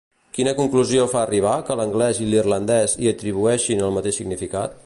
A quina conclusió fa arribar que l'anglès i l'irlandès hi atribueixin el mateix significat?